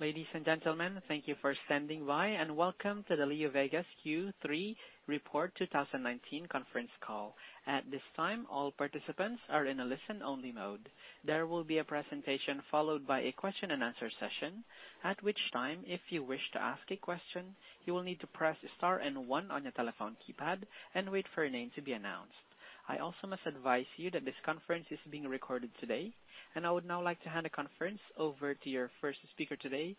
Ladies and gentlemen, thank you for standing by, and welcome to the LeoVegas Q3 Report 2019 conference call. At this time, all participants are in a listen-only mode. There will be a presentation followed by a question and answer session, at which time, if you wish to ask a question, you will need to press Star and 1 on your telephone keypad and wait for your name to be announced. I also must advise you that this conference is being recorded today, and I would now like to hand the conference over to your first speaker today,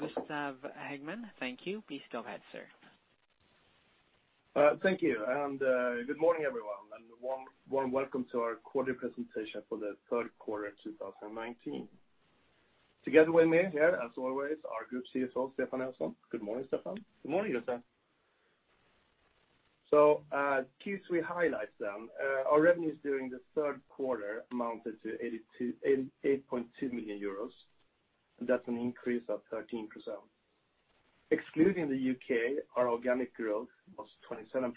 Gustaf Hagman. Thank you. Please go ahead, sir. Thank you. Good morning, everyone. Warm welcome to our quarter presentation for the third quarter of 2019. Together with me here, as always, our Group CFO, Stefan Nelson. Good morning, Stefan. Good morning, Gustaf. Q3 highlights. Our revenues during the third quarter amounted to 88.2 million euros, and that's an increase of 13%. Excluding the U.K., our organic growth was 27%,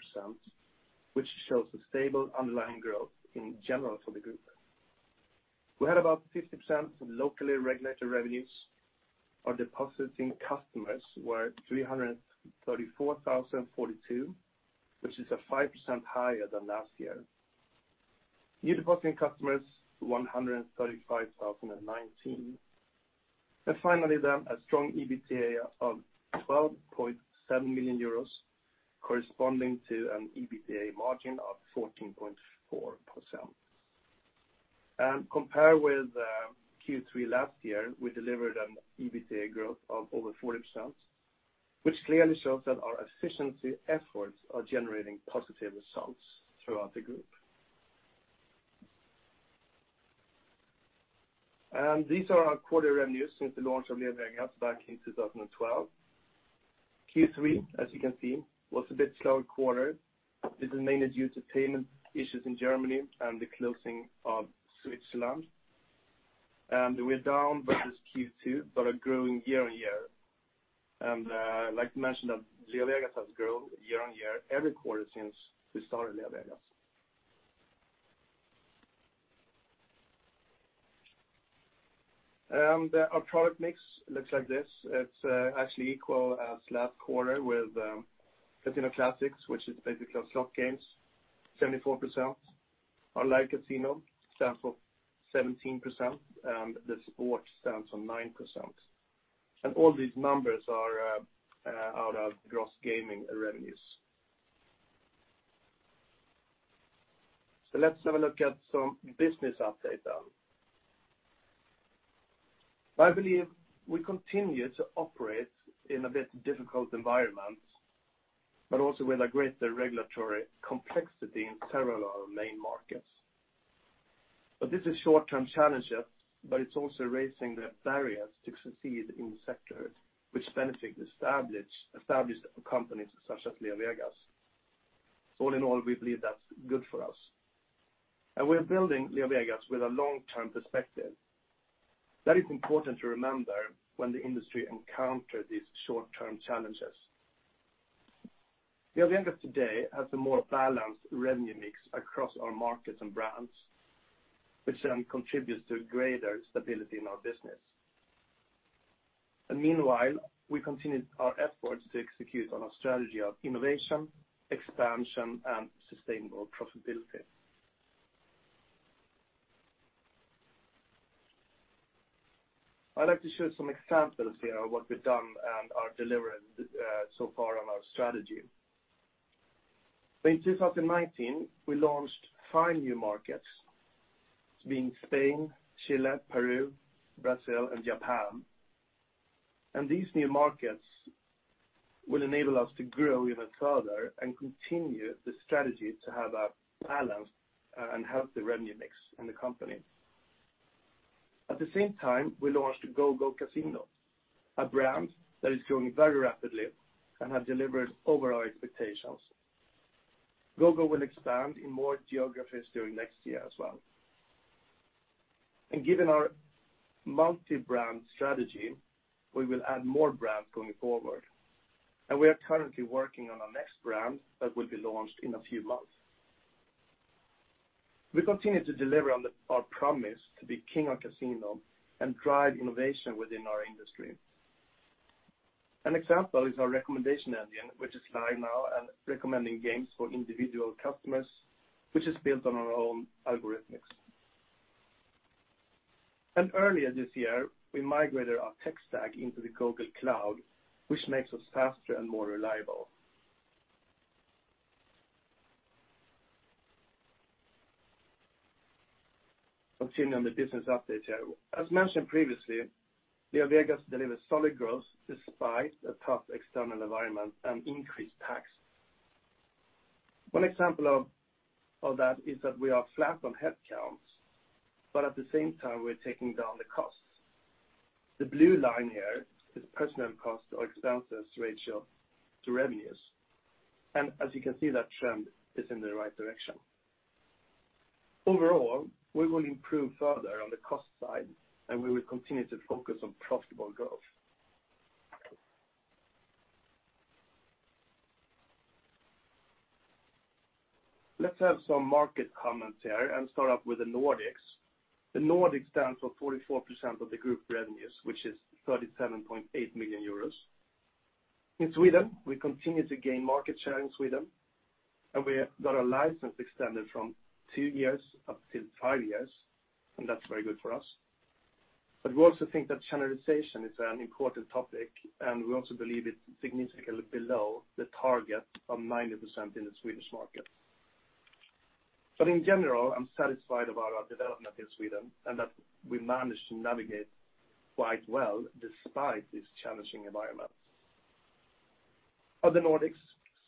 which shows a stable underlying growth in general for the group. We had about 50% of locally regulated revenues. Our depositing customers were 334,042, which is a 5% higher than last year. New depositing customers, 135,019. Finally, a strong EBITDA of 12.7 million euros, corresponding to an EBITDA margin of 14.4%. Compared with Q3 last year, we delivered an EBITDA growth of over 40%, which clearly shows that our efficiency efforts are generating positive results throughout the group. These are our quarter revenues since the launch of LeoVegas back in 2012. Q3, as you can see, was a bit slower quarter. This is mainly due to payment issues in Germany and the closing of Switzerland. We're down versus Q2 but are growing year-on-year. I'd like to mention that LeoVegas has grown year-on-year every quarter since we started LeoVegas. Our product mix looks like this. It's actually equal as last quarter with Casino Classics, which is basically our slot games, 74%. Our Live Casino stands for 17%, and the Sports stands on 9%. All these numbers are out of gross gaming revenues. Let's have a look at some business update then. I believe we continue to operate in a bit difficult environment, but also with a greater regulatory complexity in several of our main markets. This is short-term challenges, but it's also raising the barriers to succeed in sectors which benefit established companies such as LeoVegas. All in all, we believe that's good for us. We are building LeoVegas with a long-term perspective. That is important to remember when the industry encounter these short-term challenges. LeoVegas today has a more balanced revenue mix across our markets and brands, which then contributes to greater stability in our business. Meanwhile, we continued our efforts to execute on our strategy of innovation, expansion, and sustainable profitability. I'd like to show some examples here of what we've done and are delivering so far on our strategy. In 2019, we launched five new markets, being Spain, Chile, Peru, Brazil, and Japan. These new markets will enable us to grow even further and continue the strategy to have a balanced and healthy revenue mix in the company. At the same time, we launched GoGo Casino, a brand that is growing very rapidly and have delivered over our expectations. GoGo will expand in more geographies during next year as well. Given our multi-brand strategy, we will add more brands going forward, and we are currently working on our next brand that will be launched in a few months. We continue to deliver on our promise to be King of Casino and drive innovation within our industry. An example is our recommendation engine, which is live now and recommending games for individual customers, which is built on our own algorithmics. Earlier this year, we migrated our tech stack into the Google Cloud, which makes us faster and more reliable. Continuing on the business update here. As mentioned previously, LeoVegas delivers solid growth despite a tough external environment and increased tax. One example of that is that we are flat on headcounts, but at the same time, we're taking down the costs. The blue line here is personnel costs or expenses ratio to revenues. As you can see, that trend is in the right direction. Overall, we will improve further on the cost side, and we will continue to focus on profitable growth. Let's have some market commentary and start off with the Nordics. The Nordics stands for 44% of the group revenues, which is 37.8 million euros. In Sweden, we continue to gain market share in Sweden, we got our license extended from two years up to five years, and that's very good for us. We also think that channelization is an important topic, and we also believe it's significantly below the target of 90% in the Swedish market. In general, I'm satisfied about our development in Sweden and that we managed to navigate quite well despite this challenging environment. Other Nordics,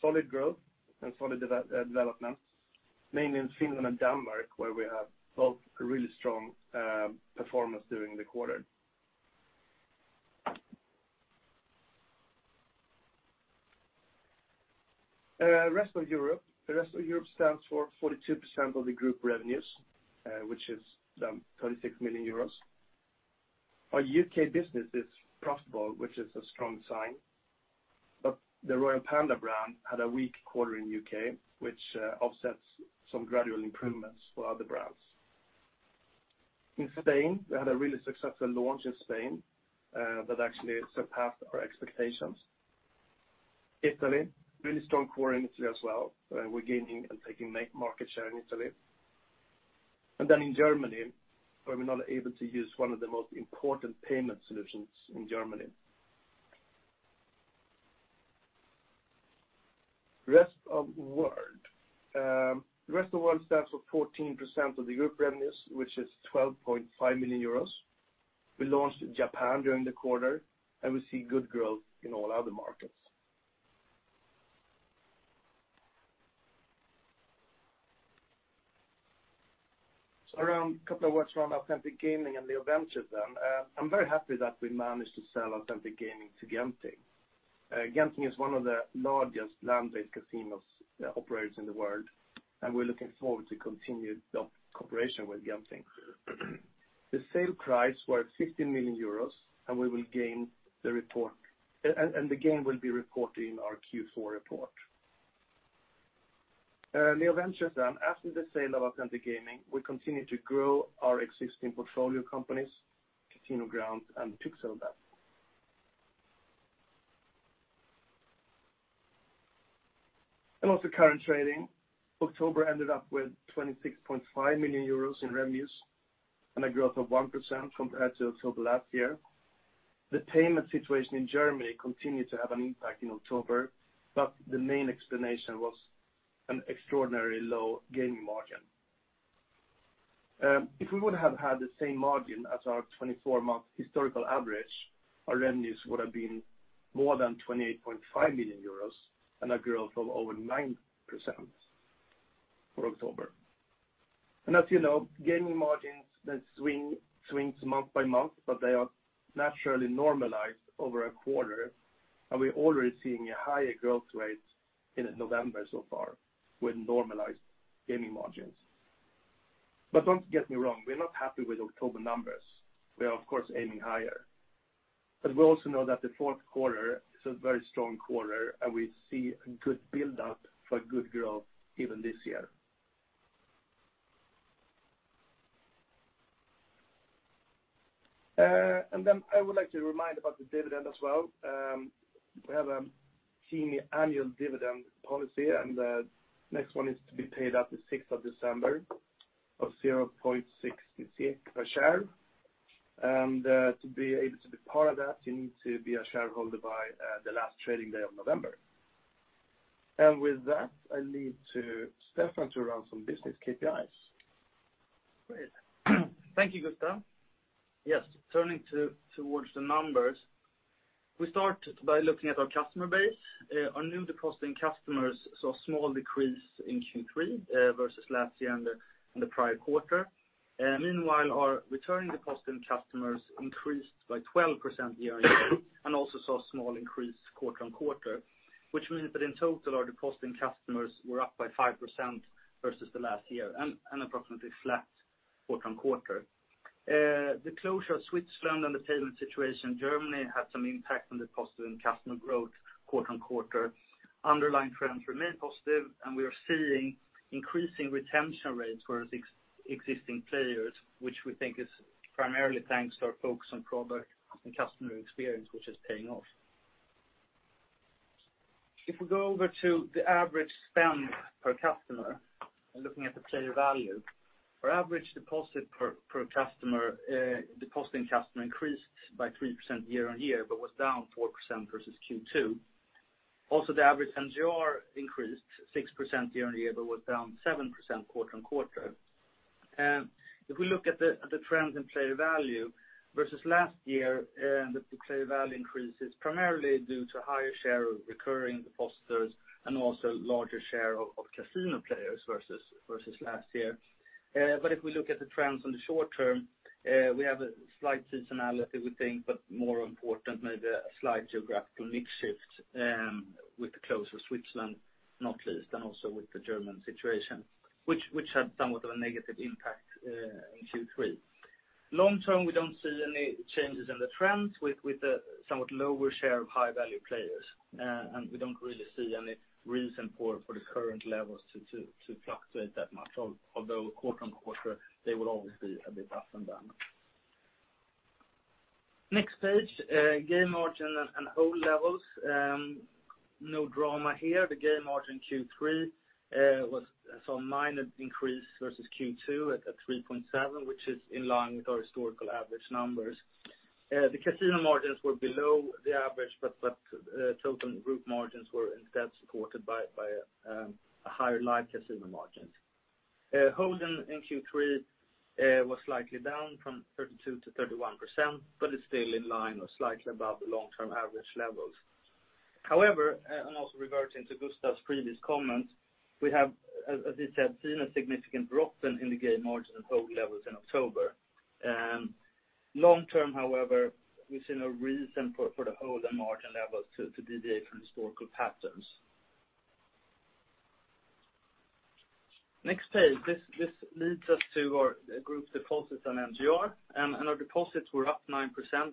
solid growth and solid development, mainly in Finland and Denmark, where we have both a really strong performance during the quarter. Rest of Europe. The rest of Europe stands for 42% of the group revenues, which is 36 million euros. Our U.K. business is profitable, which is a strong sign. The Royal Panda brand had a weak quarter in U.K., which offsets some gradual improvements for other brands. In Spain, we had a really successful launch in Spain, that actually surpassed our expectations. Italy, really strong quarter in Italy as well. We're gaining and taking market share in Italy. In Germany, where we're not able to use one of the most important payment solutions in Germany. Rest of world. Rest of world stands for 14% of the group revenues, which is 12.5 million euros. We launched in Japan during the quarter. We see good growth in all other markets. Around a couple of words around Authentic Gaming and LeoVegas then. I'm very happy that we managed to sell Authentic Gaming to Genting. Genting is one of the largest land-based casinos operators in the world, and we're looking forward to continued cooperation with Genting. The sale price was 15 million euros, and the gain will be reported in our Q4 report. LeoVentures then. After the sale of Authentic Gaming, we continue to grow our existing portfolio companies, CasinoGrounds and Pixel.bet. Also current trading. October ended up with 26.5 million euros in revenues and a growth of 1% compared to October last year. The payment situation in Germany continued to have an impact in October, but the main explanation was an extraordinarily low gaming margin. If we would have had the same margin as our 24-month historical average, our revenues would have been more than 28.5 million euros and a growth of over 9% for October. As you know, gaming margins swings month by month, but they are naturally normalized over a quarter, and we're already seeing a higher growth rate in November so far with normalized gaming margins. Don't get me wrong, we're not happy with October numbers. We are of course aiming higher. We also know that the fourth quarter is a very strong quarter, and we see a good build-up for good growth even this year. I would like to remind about the dividend as well. We have a senior annual dividend policy, and the next one is to be paid out the 6th of December of 0.66 per share. To be able to be part of that, you need to be a shareholder by the last trading day of November. With that, I leave to Stefan to run some business KPIs. Great. Thank you, Gustaf. Turning towards the numbers. We start by looking at our customer base. Our New Depositing Customers saw a small decrease in Q3 versus last year and the prior quarter. Our returning depositing customers increased by 12% year-on-year, and also saw a small increase quarter-on-quarter, which means that in total, our depositing customers were up by 5% versus the last year and approximately flat quarter-on-quarter. The closure of Switzerland and the payment situation in Germany had some impact on the depositing customer growth quarter-on-quarter. Underlying trends remain positive, and we are seeing increasing retention rates for existing players, which we think is primarily thanks to our focus on product and customer experience, which is paying off. If we go over to the average spend per customer, looking at the player value, our average depositing customer increased by 3% year-on-year but was down 4% versus Q2. The average NGR increased 6% year-on-year but was down 7% quarter-on-quarter. If we look at the trends in player value versus last year, the player value increase is primarily due to higher share of recurring depositors and also larger share of casino players versus last year. If we look at the trends on the short-term, we have a slight seasonality, we think, but more important, maybe a slight geographical mix shift with the close of Switzerland, not least, and also with the German situation, which had somewhat of a negative impact in Q3. Long-term, we don't see any changes in the trends with the somewhat lower share of high-value players. We don't really see any reason for the current levels to fluctuate that much, although quarter-on-quarter, they will obviously be a bit up and down. Next page, game margin and hold levels. No drama here. The game margin Q3 saw a minor increase versus Q2 at 3.7, which is in line with our historical average numbers. The casino margins were below the average, but the total group margins were instead supported by higher Live Casino margins. Hold in Q3 was slightly down from 32% to 31%, but it's still in line or slightly above the long-term average levels. However, and also reverting to Gustaf's previous comments, we have, as he said, seen a significant drop in the game margin and hold levels in October. Long term, however, we've seen no reason for the hold and margin levels to deviate from historical patterns. Next page. This leads us to our group deposits and MGR. Our deposits were up 9%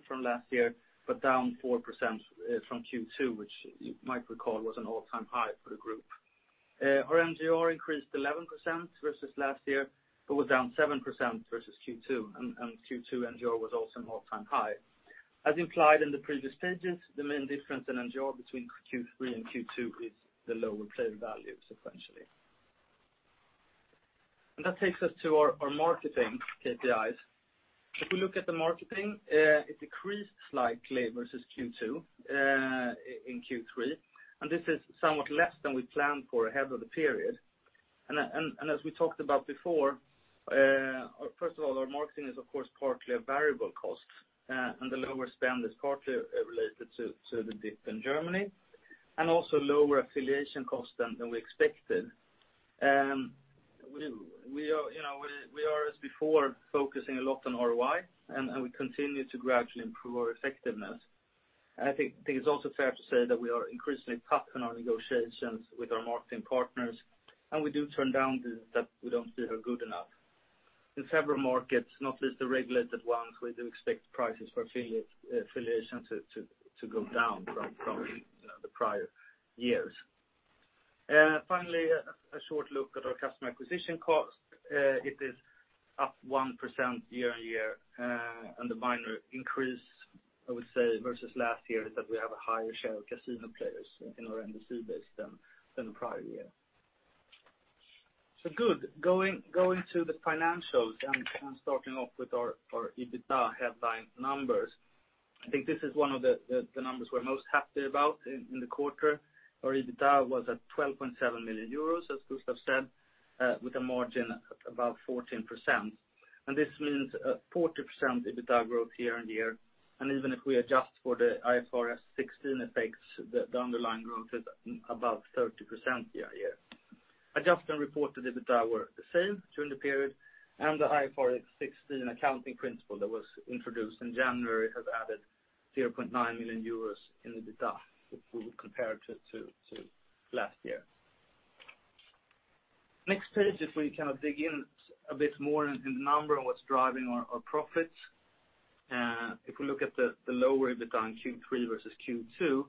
from last year, but down 4% from Q2, which you might recall was an all-time high for the group. Our MGR increased 11% versus last year but was down 7% versus Q2. Q2 MGR was also an all-time high. As implied in the previous pages, the main difference in MGR between Q3 and Q2 is the lower player value sequentially. That takes us to our marketing KPIs. If we look at the marketing, it decreased slightly versus Q2 in Q3, and this is somewhat less than we planned for ahead of the period. As we talked about before, first of all, our marketing is of course partly a variable cost, and the lower spend is partly related to the dip in Germany, and also lower affiliation cost than we expected. We are, as before, focusing a lot on ROI, and we continue to gradually improve our effectiveness. I think it's also fair to say that we are increasingly tough in our negotiations with our marketing partners, and we do turn down deals that we don't feel are good enough. In several markets, not just the regulated ones, we do expect prices for affiliation to go down from the prior years. Finally, a short look at our customer acquisition cost. It is up 1% year-on-year, and the minor increase, I would say, versus last year is that we have a higher share of casino players in our NDC base than the prior year. Good. Going to the financials and starting off with our EBITDA headline numbers. I think this is one of the numbers we're most happy about in the quarter. Our EBITDA was at 12.7 million euros, as Gustaf said, with a margin above 14%. This means a 40% EBITDA growth year-on-year. Even if we adjust for the IFRS 16 effects, the underlying growth is above 30% year-on-year. Adjusted and reported EBITDA were the same during the period, and the IFRS 16 accounting principle that was introduced in January has added 0.9 million euros in EBITDA if we would compare it to last year. Next page is where you kind of dig in a bit more in the number on what's driving our profits. If we look at the lower EBITDA in Q3 versus Q2,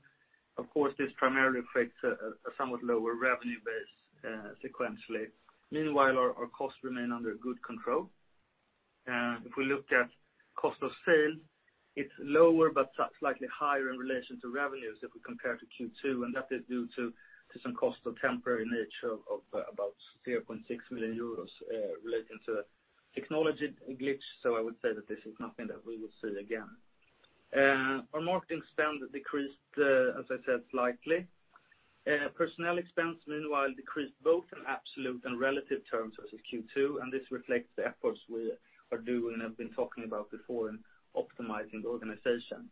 of course, this primarily reflects a somewhat lower revenue base sequentially. Meanwhile, our costs remain under good control. If we look at cost of sales, it's lower but slightly higher in relation to revenues if we compare to Q2, and that is due to some cost of temporary nature of about 0.6 million euros relating to a technology glitch. I would say that this is nothing that we will see again. Our marketing spend decreased, as I said, slightly. Personnel expense, meanwhile, decreased both in absolute and relative terms versus Q2, and this reflects the efforts we are doing. I've been talking about before in optimizing the organization.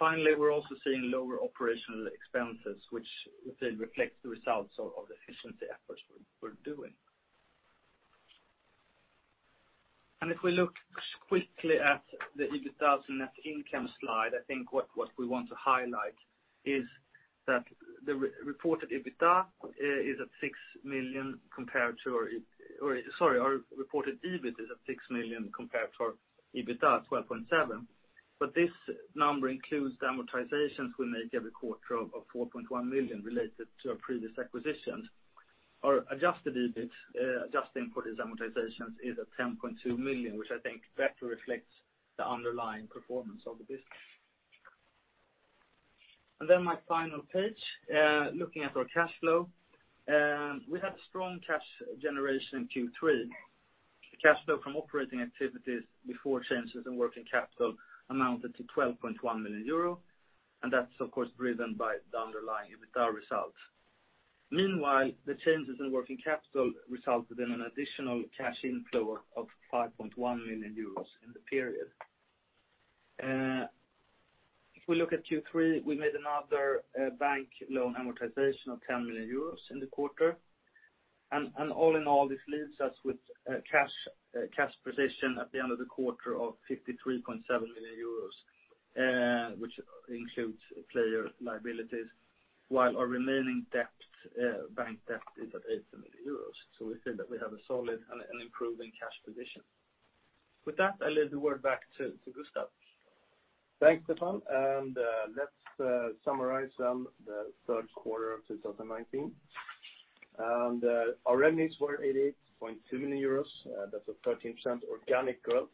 Finally, we're also seeing lower operational expenses, which I would say reflect the results of the efficiency efforts we're doing. If we look quickly at the EBITDA and net income slide, I think what we want to highlight is that the reported EBITDA is at 6 million compared to our EBITDA at 12.7 million. This number includes the amortizations we make every quarter of 4.1 million related to our previous acquisitions. Our adjusted EBIT, adjusting for these amortizations, is at 10.2 million, which I think better reflects the underlying performance of the business. My final page, looking at our cash flow. We had strong cash generation in Q3. Cash flow from operating activities before changes in working capital amounted to 12.1 million euro, and that's of course driven by the underlying EBITDA results. Meanwhile, the changes in working capital resulted in an additional cash inflow of 5.1 million euros in the period. If we look at Q3, we made another bank loan amortization of 10 million euros in the quarter. All in all, this leaves us with a cash position at the end of the quarter of 53.7 million euros, which includes player liabilities, while our remaining bank debt is at 8 million euros. We said that we have a solid and improving cash position. With that, I leave the word back to Gustaf. Thanks, Stefan, let's summarize then the third quarter of 2019. Our revenues were 88.2 million euros. That's a 13% organic growth.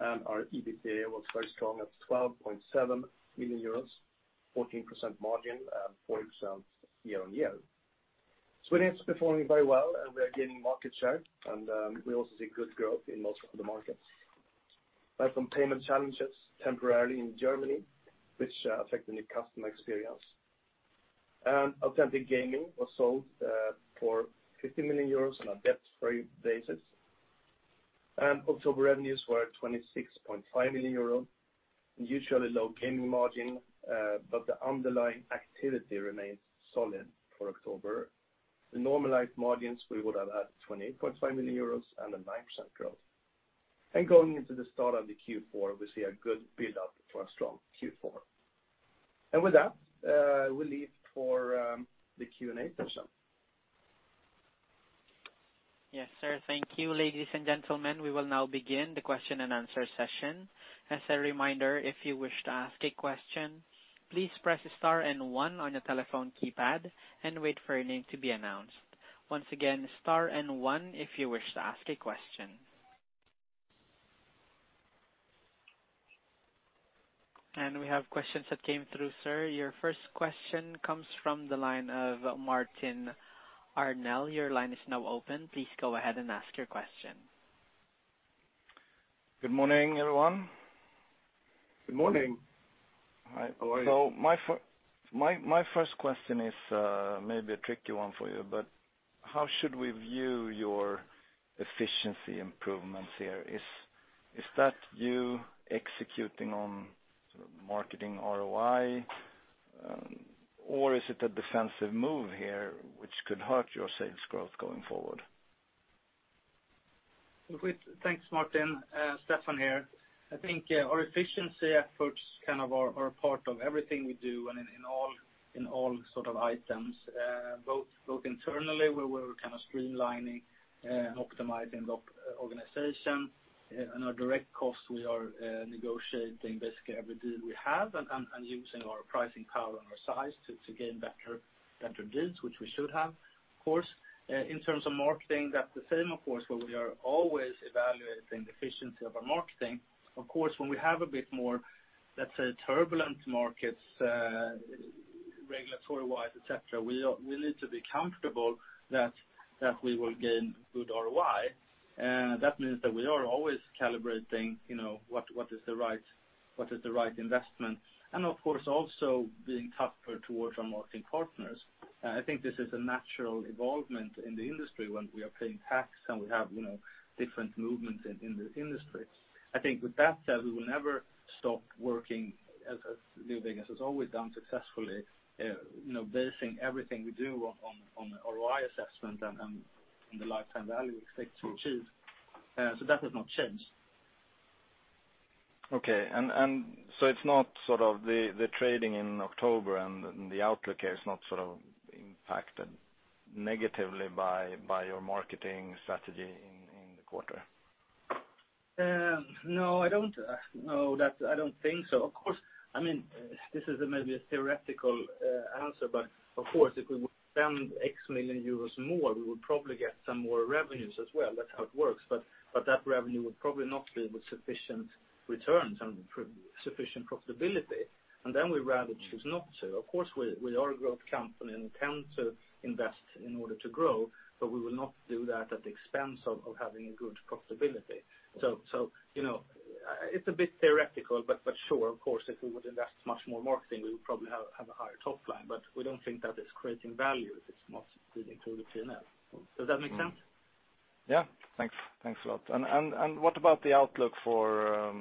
Our EBITDA was very strong at 12.7 million euros, 14% margin, and 40% year-on-year. Sweden is performing very well, we are gaining market share. We also see good growth in most of the markets. We had some payment challenges temporarily in Germany, which affected the customer experience. Authentic Gaming was sold for 15 million euros on a debt-free basis. October revenues were 26.5 million euros, usually low gaming margin, but the underlying activity remains solid for October. The normalized margins, we would have had 28.5 million euros and a 9% growth. Going into the start of the Q4, we see a good build-up for a strong Q4. With that, we leave for the Q&A session. Yes, sir. Thank you. Ladies and gentlemen, we will now begin the question and answer session. As a reminder, if you wish to ask a question, please press star and one on your telephone keypad and wait for your name to be announced. Once again, star and one if you wish to ask a question. We have questions that came through, sir. Your first question comes from the line of Martin Arnell. Your line is now open. Please go ahead and ask your question. Good morning, everyone. Good morning. Hi. How are you? My first question is maybe a tricky one for you, but how should we view your efficiency improvements here? Is that you executing on marketing ROI, or is it a defensive move here which could hurt your sales growth going forward? Thanks, Martin. Stefan here. I think our efficiency efforts kind of are a part of everything we do and in all sort of items, both internally where we're kind of streamlining and optimizing the organization, and our direct costs, we are negotiating basically every deal we have and using our pricing power and our size to gain better deals, which we should have, of course. In terms of marketing, that's the same, of course, where we are always evaluating the efficiency of our marketing. Of course, when we have a bit more, let's say, turbulent markets, regulatory wise, et cetera, we need to be comfortable that we will gain good ROI. That means that we are always calibrating what is the right investment, and of course, also being tougher towards our marketing partners. I think this is a natural evolvement in the industry when we are paying tax and we have different movements in the industry. I think with that said, we will never stop working as LeoVegas has always done successfully, basing everything we do on ROI assessment and the lifetime value we expect to achieve. That has not changed. Okay. It's not sort of the trading in October and the outlook here is not sort of impacted negatively by your marketing strategy in the quarter? No, I don't think so. Of course, this is maybe a theoretical answer, but of course, if we would spend X million EUR more, we would probably get some more revenues as well. That's how it works. That revenue would probably not be with sufficient returns and sufficient profitability. Then we rather choose not to. Of course, we are a growth company and we intend to invest in order to grow, but we will not do that at the expense of having good profitability. It's a bit theoretical, but sure, of course, if we would invest much more in marketing, we would probably have a higher top line, but we don't think that it's creating value if it's not leading to the P&L. Does that make sense? Yeah. Thanks. Thanks a lot. What about the outlook for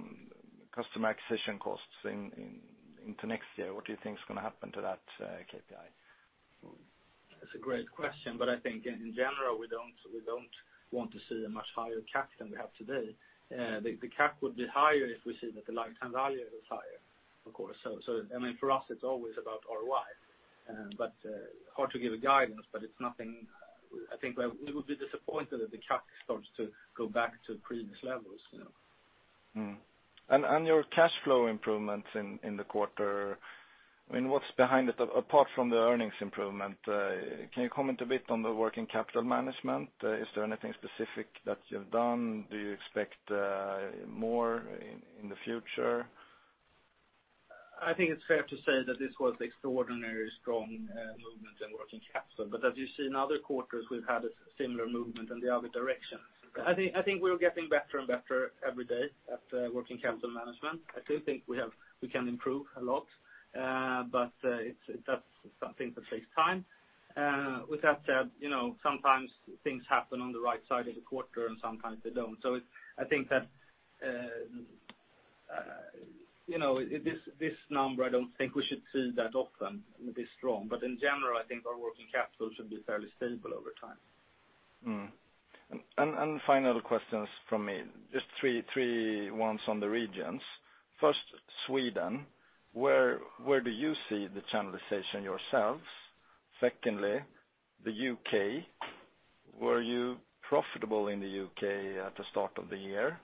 customer acquisition costs into next year? What do you think is going to happen to that KPI? That's a great question, I think in general, we don't want to see a much higher CAC than we have today. The CAC would be higher if we see that the lifetime value is higher, of course. I mean, for us, it's always about ROI. Hard to give a guidance, but it's nothing-- I think we would be disappointed if the CAC starts to go back to previous levels. Your cash flow improvements in the quarter, I mean, what's behind it apart from the earnings improvement? Can you comment a bit on the working capital management? Is there anything specific that you've done? Do you expect more in the future? I think it's fair to say that this was extraordinary strong movement in working capital, but as you see in other quarters, we've had a similar movement in the other direction. I think we're getting better and better every day at working capital management. I do think we can improve a lot. That's something that takes time. With that said, sometimes things happen on the right side of the quarter and sometimes they don't. I think that this number, I don't think we should see that often this strong. In general, I think our working capital should be fairly stable over time. Mm-hmm. Final questions from me, just three ones on the regions. First, Sweden, where do you see the channelization yourselves? Secondly, the U.K., were you profitable in the U.K. at the start of the year?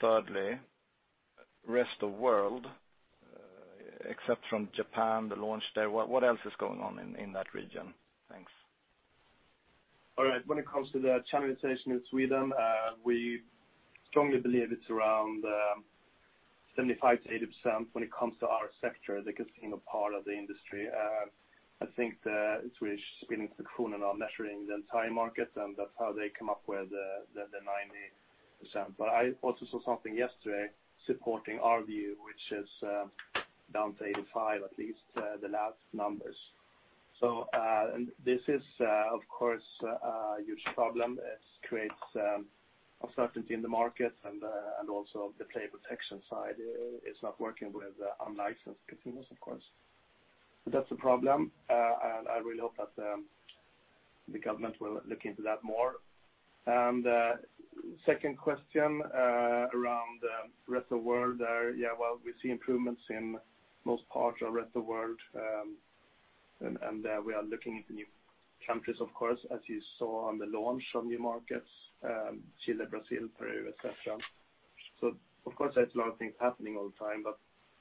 Thirdly, rest of world, except from Japan, the launch there, what else is going on in that region? Thanks. All right. When it comes to the channelization in Sweden, we strongly believe it's around 75% to 80% when it comes to our sector, the casino part of the industry. I think the Swedish Spelinspektionen are measuring the entire market, and that's how they come up with the 90%. I also saw something yesterday supporting our view, which is down to 85%, at least, the last numbers. This is, of course, a huge problem. It creates uncertainty in the market and also the player protection side is not working with unlicensed casinos, of course. That's a problem, and I really hope that the government will look into that more. The second question around rest of world, yeah, well, we see improvements in most parts of rest of world, and we are looking into new countries, of course, as you saw on the launch of new markets, Chile, Brazil, Peru, et cetera. Of course, there's a lot of things happening all the time, but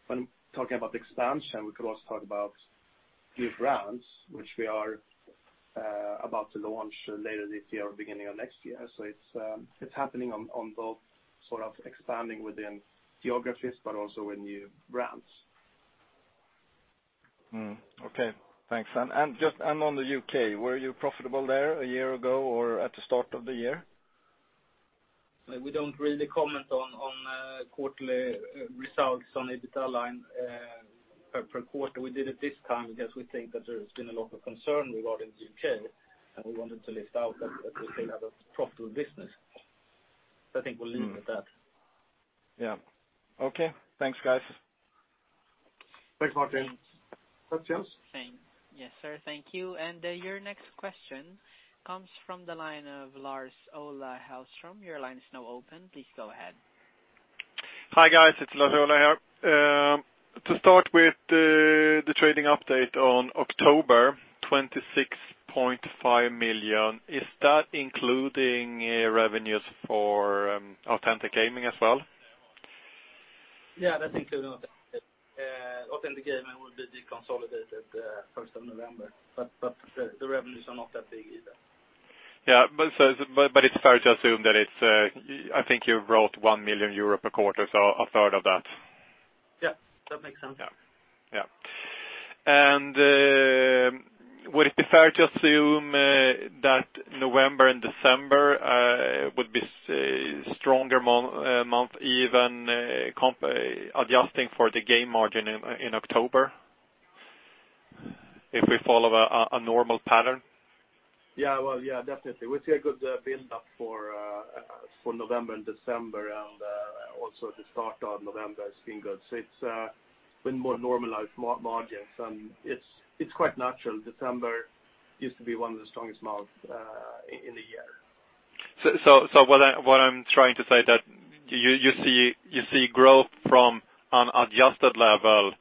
when talking about expansion, we could also talk about new brands, which we are about to launch later this year or beginning of next year. It's happening on both expanding within geographies, but also with new brands. Okay, thanks. On the U.K., were you profitable there a year ago or at the start of the year? We don't really comment on quarterly results on EBITDA line per quarter. We did it this time because we think that there's been a lot of concern regarding the U.K., and we wanted to list out that we still have a profitable business. I think we'll leave it at that. Yeah. Okay. Thanks, guys. Thanks, Martin. Thanks. That's yours. Same. Yes, sir. Thank you. Your next question comes from the line of Lars-Ola Hellström. Your line is now open. Please go ahead. Hi, guys. It's Lars-Ola here. To start with the trading update on October, 26.5 million. Is that including revenues for Authentic Gaming as well? Yeah, that's including Authentic. Authentic Gaming will be deconsolidated 1st of November. The revenues are not that big either. Yeah. It's fair to assume that I think you wrote one million euro per quarter, so a third of that. Yeah, that makes sense. Yeah. Would it be fair to assume that November and December would be stronger months even adjusting for the game margin in October, if we follow a normal pattern? Yeah. Well, definitely. We see a good build-up for November and December and also the start of November is looking good. It's been more normalized margins, and it's quite natural. December used to be one of the strongest months in the year. What I'm trying to say that you see growth from an adjusted level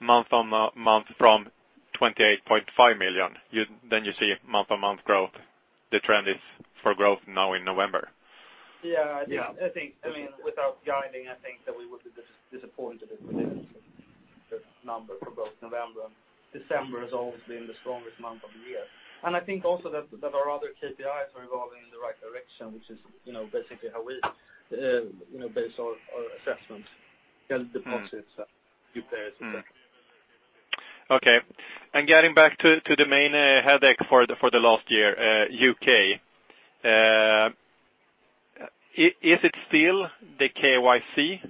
month-on-month from 28.5 million, then you see month-on-month growth. The trend is for growth now in November. Yeah. I think, without guiding, I think that we would be disappointed if we didn't see good numbers for both November and December has always been the strongest month of the year. I think also that our other KPIs are evolving in the right direction, which is basically how we base our assessments, deposits, repairs, et cetera. Okay. Getting back to the main headache for the last year, U.K. Is it still the KYC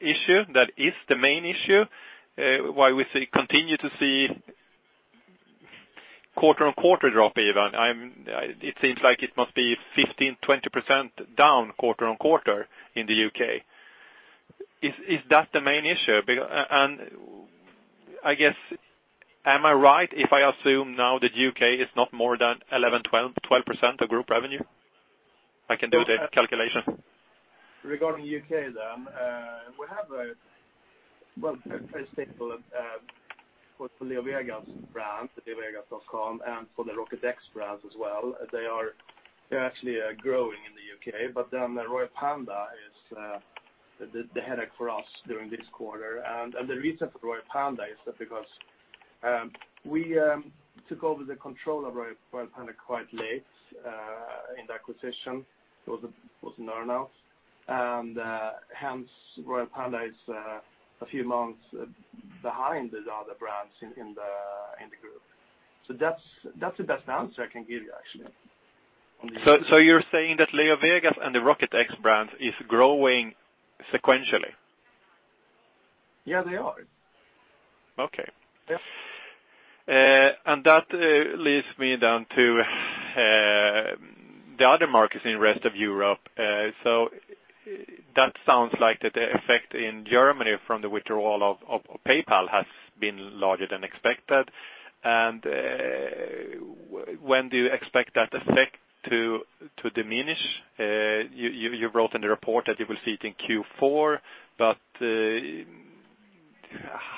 issue that is the main issue? Why we continue to see quarter-on-quarter drop even? It seems like it must be 15%, 20% down quarter-on-quarter in the U.K. Is that the main issue? I guess, am I right if I assume now that U.K. is not more than 11%, 12% of group revenue? I can do the calculation. Regarding U.K., we have a, well, first take for LeoVegas brand, leovegas.com and for the Rocket X brands as well. Royal Panda is the headache for us during this quarter. The reason for Royal Panda is that because we took over the control of Royal Panda quite late in the acquisition. It was an earn-out. Hence Royal Panda is a few months behind the other brands in the group. That's the best answer I can give you, actually. You're saying that LeoVegas and the Rocket X brands is growing sequentially? Yeah, they are. Okay. Yeah. That leads me down to-The other markets in rest of Europe. That sounds like that the effect in Germany from the withdrawal of PayPal has been larger than expected. When do you expect that effect to diminish? You wrote in the report that you will see it in Q4, but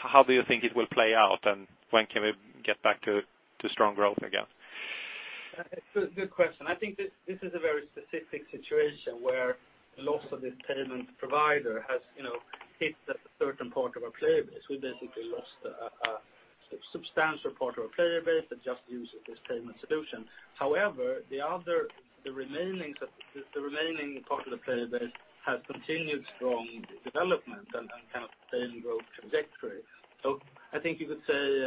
how do you think it will play out, and when can we get back to strong growth again? Good question. I think this is a very specific situation where loss of this payment provider has hit a certain part of our player base. We basically lost a substantial part of our player base that just used this payment solution. However, the remaining part of the player base has continued strong development and sustained growth trajectory. I think you could say,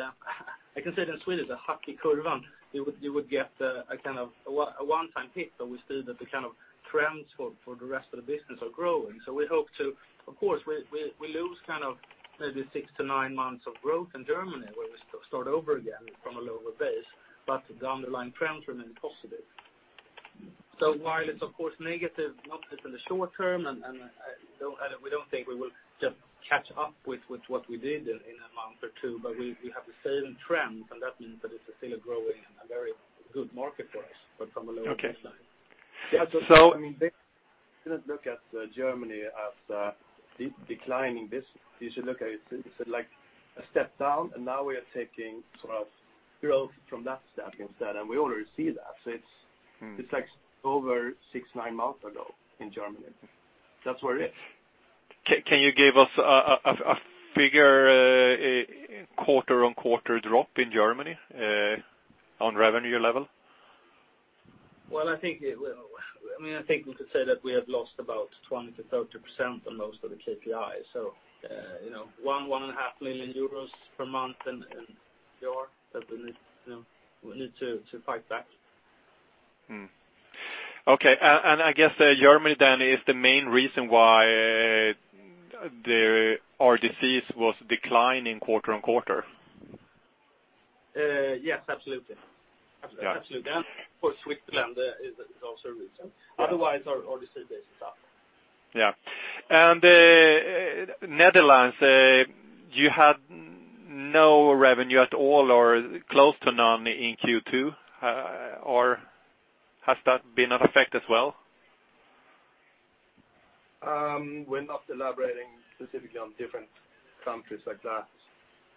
I can say it in Swedish, you would get a one-time hit. We see that the trends for the rest of the business are growing. We hope to, of course, we lose maybe six to nine months of growth in Germany, where we start over again from a lower base. The underlying trend remains positive. While it's of course negative, not just in the short term, and we don't think we will just catch up with what we did in a month or two, but we have the same trend, and that means that it's still a growing and a very good market for us, but from a lower baseline. Okay. I mean, they shouldn't look at Germany as a declining business. You should look at it's like a step down, and now we are taking sort of growth from that step instead, and we already see that. It's over six, nine months ago in Germany. That's where it is. Can you give us a figure, quarter-on-quarter drop in Germany, on revenue level? Well, I think we could say that we have lost about 20%-30% on most of the KPIs. One and a half million EUR per month in AR that we need to fight back. Okay. I guess Germany then is the main reason why our NDC was declining quarter-on-quarter. Yes, absolutely. Yeah. Absolutely. Of course, Switzerland is also a reason. Otherwise, our NDC base is up. Yeah. Netherlands, you had no revenue at all or close to none in Q2. Has that been an effect as well? We're not elaborating specifically on different countries like that.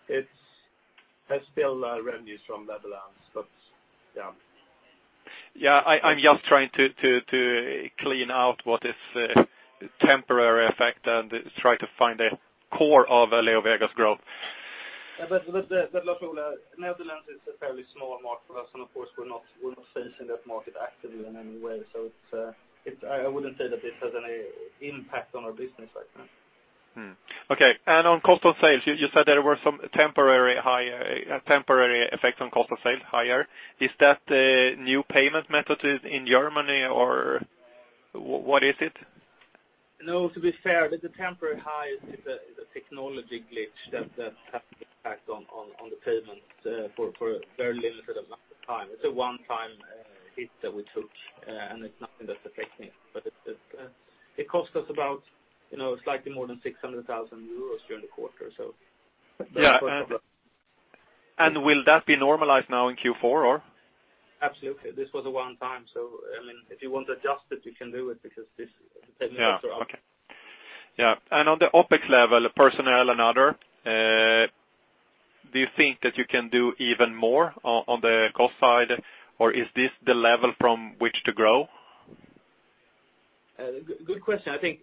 There's still revenues from Netherlands, but yeah. I'm just trying to clean out what is temporary effect and try to find the core of LeoVegas growth. Look, Ola, Netherlands is a fairly small market for us, and of course, we're not facing that market actively in any way. I wouldn't say that this has any impact on our business right now. Okay. On cost of sales, you said there were some temporary effects on cost of sales higher. Is that new payment method in Germany, or what is it? To be fair, the temporary hitch is a technology glitch that has impact on the payment for a very limited amount of time. It's a one-time hit that we took, and it's nothing that's affecting it. It cost us about slightly more than 600,000 euros during the quarter. Yeah. Will that be normalized now in Q4, or? Absolutely. This was a one-time, so if you want to adjust it, you can do it because this payment was wrong. Yeah. Okay. On the OpEx level, personnel and other, do you think that you can do even more on the cost side, or is this the level from which to grow? Good question. I think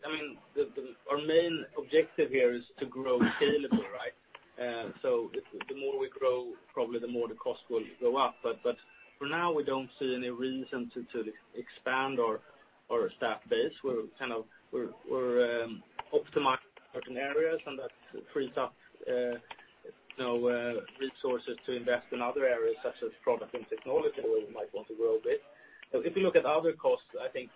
our main objective here is to grow salably, right? The more we grow, probably the more the cost will go up. For now, we don't see any reason to expand our staff base. We're optimizing certain areas, and that frees up resources to invest in other areas, such as product and technology, where we might want to grow a bit. If you look at other costs, I think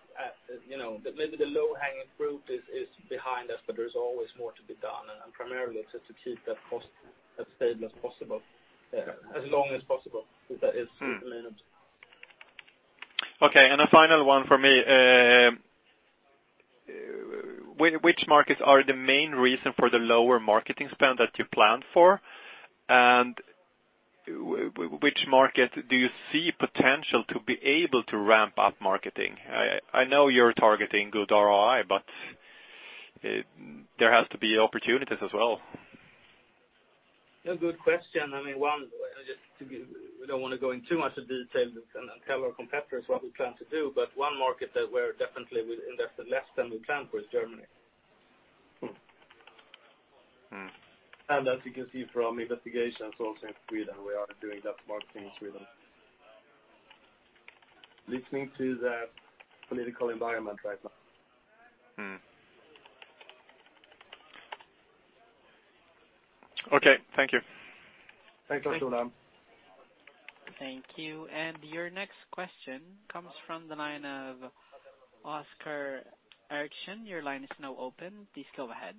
maybe the low-hanging fruit is behind us, but there's always more to be done, and primarily to keep that cost as stable as possible as long as possible. That is the minimum. Okay, a final one from me. Which markets are the main reason for the lower marketing spend that you planned for? Which market do you see potential to be able to ramp up marketing? I know you're targeting good ROI, there has to be opportunities as well. Yeah, good question. I mean, one. We don't want to go in too much detail and tell our competitors what we plan to do. One market that we invested less than we planned for is Germany. As you can see from investigations also in Sweden, we are doing that marketing in Sweden, listening to the political environment right now. Okay, thank you. Thanks, Ola. Thank you. Your next question comes from the line of Oskar Eriksson. Your line is now open. Please go ahead.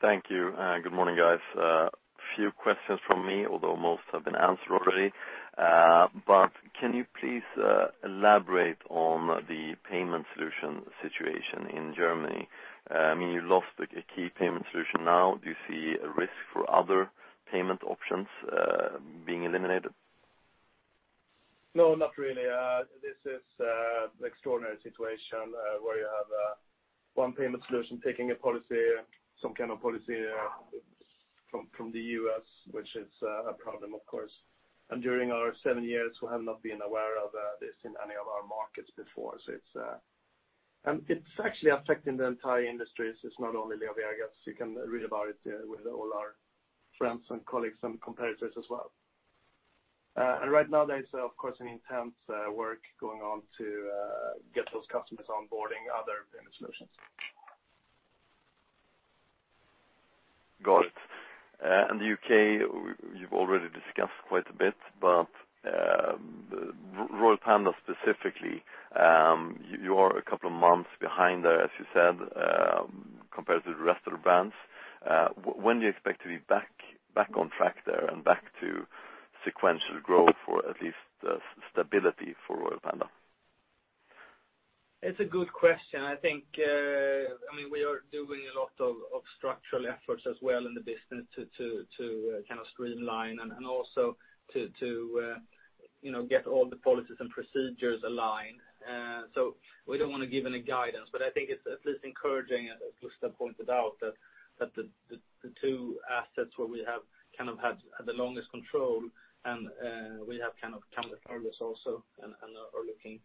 Thank you. Good morning, guys. A few questions from me, although most have been answered already. Can you please elaborate on the payment solution situation in Germany? You lost a key payment solution now, do you see a risk for other payment options being eliminated? No, not really. This is an extraordinary situation where you have one payment solution taking some kind of policy from the U.S., which is a problem of course. During our seven years, we have not been aware of this in any of our markets before. It's actually affecting the entire industry. It's not only LeoVegas. You can read about it with all our friends and colleagues and competitors as well. Right now there is, of course, an intense work going on to get those customers onboarding other payment solutions. Got it. The U.K., you've already discussed quite a bit, but Royal Panda specifically, you are a couple of months behind there, as you said, compared to the rest of the brands. When do you expect to be back on track there and back to sequential growth, or at least stability for Royal Panda? It's a good question. I think we are doing a lot of structural efforts as well in the business to streamline and also to get all the policies and procedures aligned. We don't want to give any guidance. I think it's at least encouraging, as Gustaf pointed out, that the two assets where we have had the longest control and we have come the furthest also and are looking better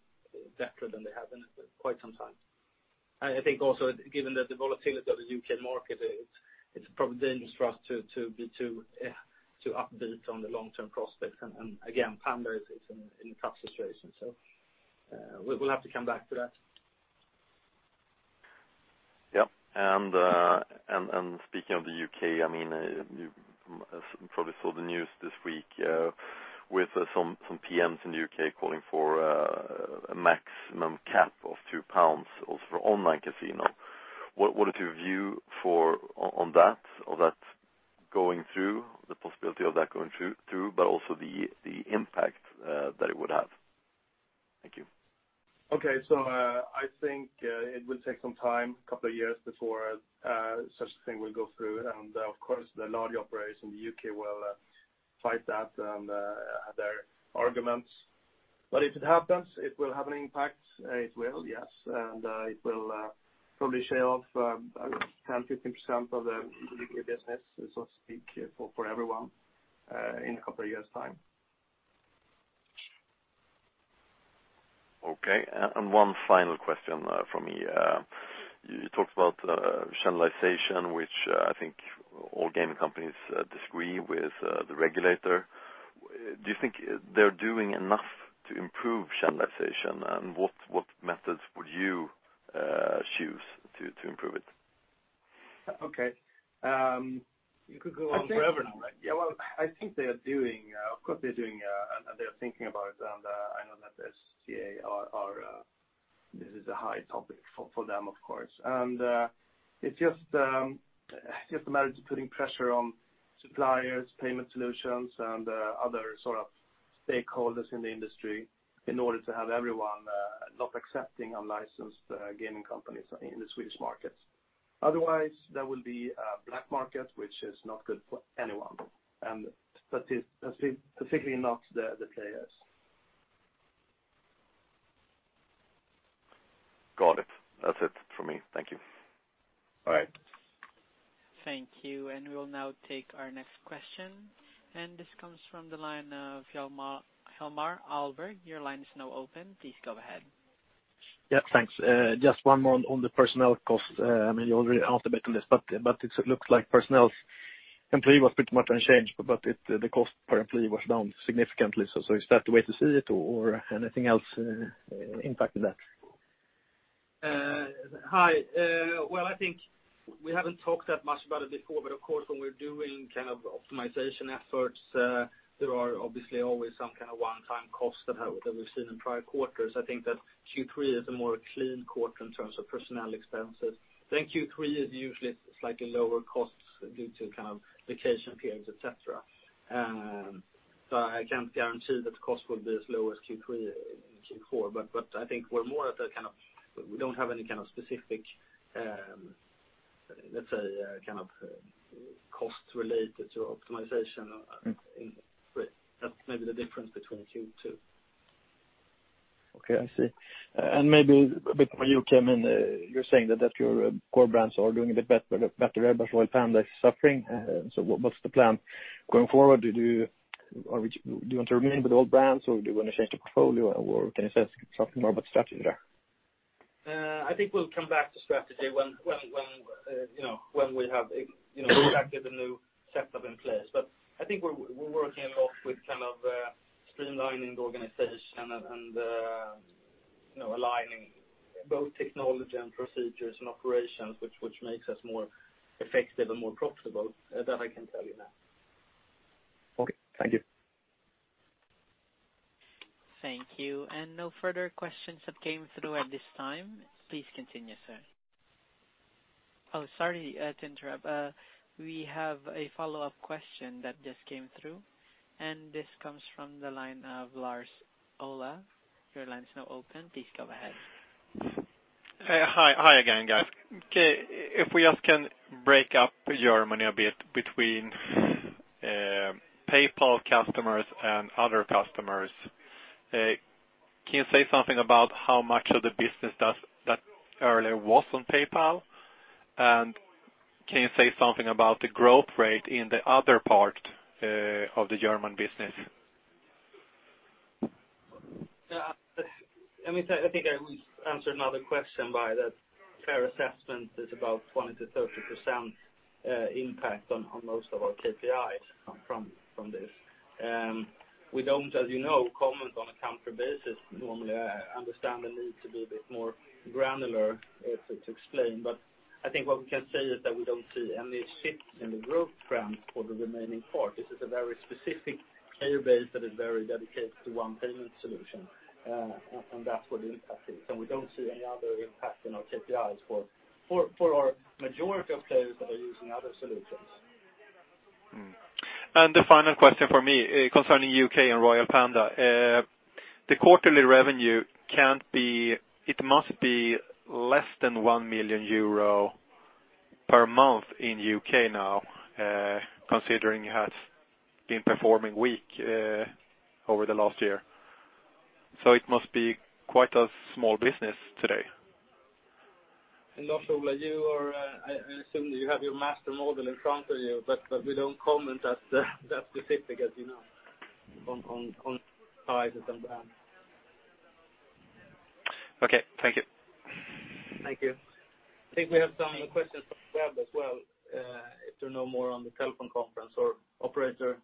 than they have in quite some time. I think also, given the volatility of the U.K. market, it's probably dangerous for us to be too upbeat on the long-term prospects. Again, Panda is in a tough situation. We'll have to come back to that. Yep. Speaking of the U.K., you probably saw the news this week with some MPs in the U.K. calling for a maximum cap of 2 pounds also for online casino. What is your view on that, of that going through, the possibility of that going through, but also the impact that it would have? Thank you. Okay. I think it will take some time, a couple of years before such a thing will go through. Of course, the larger operators in the U.K. will fight that and have their arguments. If it happens, it will have an impact. It will. Yes. It will probably shave off 10%, 15% of the U.K. business, so to speak, for everyone in a couple of years time. Okay. One final question from me. You talked about channelization, which I think all gaming companies disagree with the regulator. Do you think they're doing enough to improve channelization, and what methods would you choose to improve it? Okay. You could go on forever, right? Yeah, well, I think they are doing, of course they're doing and they are thinking about it, and I know that at SGA, this is a high topic for them, of course. It's just a matter of putting pressure on suppliers, payment solutions, and other sort of stakeholders in the industry in order to have everyone not accepting unlicensed gaming companies in the Swedish market. Otherwise, there will be a black market, which is not good for anyone, and specifically not the players. Got it. That is it from me. Thank you. All right. Thank you. We will now take our next question, and this comes from the line of Hjalmar Ahlberg. Your line is now open. Please go ahead. Yeah, thanks. Just one more on the personnel cost. You already answered a bit on this, but it looks like employee was pretty much unchanged, but the cost per employee was down significantly. Is that the way to see it, or anything else impacted that? Hi. Well, I think we haven't talked that much about it before, but of course, when we're doing kind of optimization efforts, there are obviously always some kind of one-time cost that we've seen in prior quarters. I think that Q3 is a more clean quarter in terms of personnel expenses. I think Q3 is usually slightly lower costs due to kind of vacation periods, et cetera. I can't guarantee that cost will be as low as Q3 in Q4. I think we're more at the kind of, we don't have any kind of specific, let's say, kind of cost related to optimization. That's maybe the difference between Q2. Okay, I see. Maybe a bit when you came in, you were saying that your core brands are doing a bit better, but Royal Panda is suffering. What's the plan going forward? Do you want to remain with all brands, or do you want to change the portfolio, or can you say something more about strategy there? I think we'll come back to strategy when we have a proactive and new setup in place. I think we're working a lot with kind of streamlining the organization and aligning both technology and procedures and operations, which makes us more effective and more profitable, that I can tell you now. Okay. Thank you. Thank you. No further questions have come through at this time. Please continue, sir. Oh, sorry to interrupt. We have a follow-up question that just came through, and this comes from the line of Lars-Ola. Your line is now open. Please go ahead. Hi again, guys. Okay. If we just can break up Germany a bit between PayPal customers and other customers, can you say something about how much of the business that earlier was on PayPal? Can you say something about the growth rate in the other part of the German business? I think I answered another question by that fair assessment is about 20%-30% impact on most of our KPIs from this. We don't, as you know, comment on a country basis normally. I understand the need to be a bit more granular to explain. I think what we can say is that we don't see any shift in the growth trend for the remaining part. This is a very specific player base that is very dedicated to one payment solution, and that's where the impact is. We don't see any other impact on our KPIs for our majority of players that are using other solutions. The final question from me concerning U.K. and Royal Panda. The quarterly revenue, it must be less than 1 million euro per month in U.K. now, considering it has been performing weak over the last year. It must be quite a small business today. Also, I assume that you have your master model in front of you, but we don't comment as specific, as you know, on sizes and brands. Okay. Thank you. Thank you. I think we have some questions from the web as well, if there are no more on the telephone conference, or operator?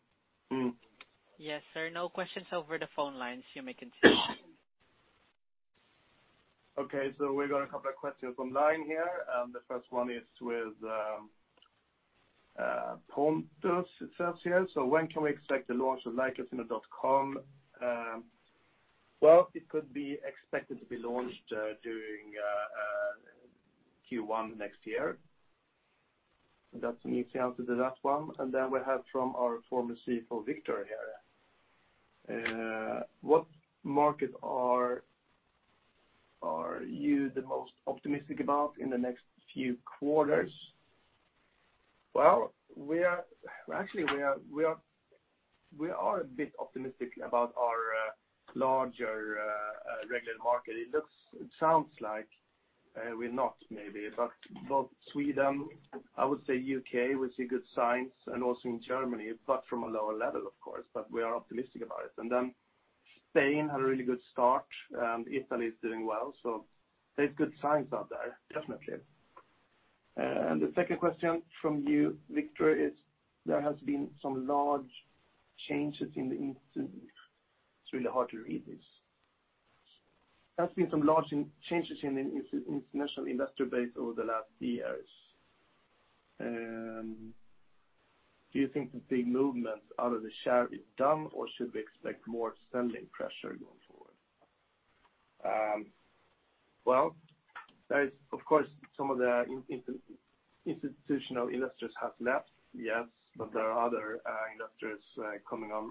Yes, sir, no questions over the phone lines. You may continue. Okay, we got a couple of questions online here. The first one is with Pontus, it says here. When can we expect the launch of leocasino.com? Well, it could be expected to be launched during Q1 next year. That's a new answer to that one. We have from our former CFO, Viktor, here. What markets are you the most optimistic about in the next few quarters? Well, actually we are a bit optimistic about our larger regulated market. It sounds like we're not maybe, both Sweden, I would say U.K., we see good signs, also in Germany, from a lower level, of course. We are optimistic about it. Spain had a really good start, Italy is doing well. There's good signs out there, definitely. The second question from you, Viktor, is there has been some large changes in the-- it's really hard to read this. There has been some large changes in the international investor base over the last years. Do you think the big movement out of the share is done, or should we expect more selling pressure going forward? Well, of course, some of the institutional investors have left, yes, but there are other investors coming on,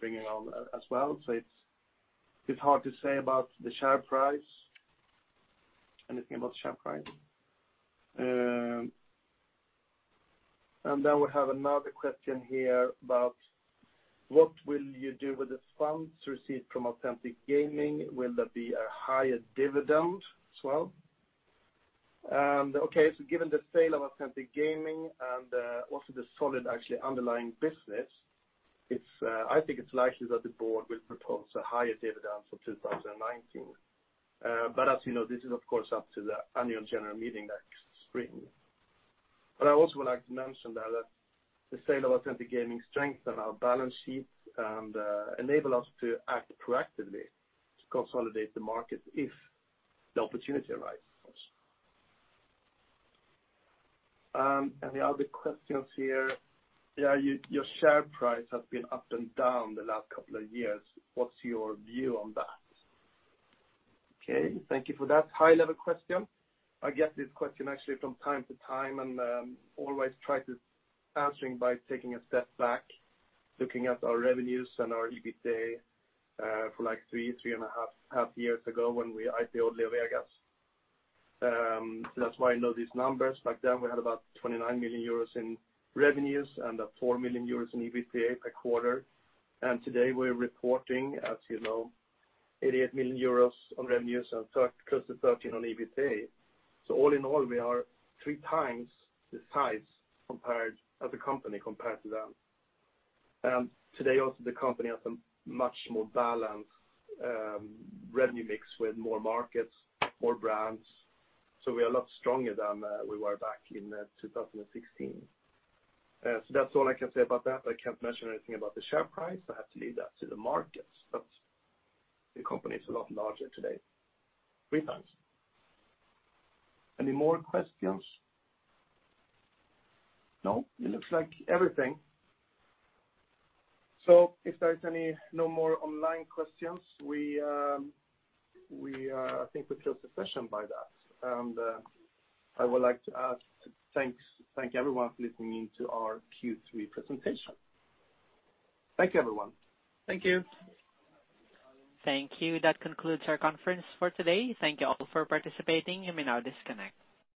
bringing on as well. It's hard to say about the share price, anything about share price. We have another question here about what will you do with the funds received from Authentic Gaming? Will there be a higher dividend as well? Given the sale of Authentic Gaming and also the solid underlying business, I think it's likely that the board will propose a higher dividend for 2019. As you know, this is of course up to the annual general meeting next spring. I also would like to mention that the sale of Authentic Gaming strengthened our balance sheet and enabled us to act proactively to consolidate the market if the opportunity arises. The other questions here. Your share price has been up and down the last couple of years. What's your view on that? Okay, thank you for that high-level question. I get this question actually from time to time and always try to answer by taking a step back, looking at our revenues and our EBITA for three and a half years ago when we IPO'd LeoVegas. That's why I know these numbers. Back then, we had about 29 million euros in revenues and 4 million euros in EBITA per quarter. Today we're reporting, as you know, 88 million euros on revenues and close to 13 on EBITA. All in all, we are three times the size as a company compared to them. Today, also, the company has a much more balanced revenue mix with more markets, more brands. We are a lot stronger than we were back in 2016. That's all I can say about that. I can't mention anything about the share price. I have to leave that to the markets, but the company is a lot larger today. Three times. Any more questions? No, it looks like everything. If there's no more online questions, I think we close the session by that. I would like to thank everyone for listening in to our Q3 presentation. Thank you, everyone. Thank you. Thank you. That concludes our conference for today. Thank you all for participating. You may now disconnect.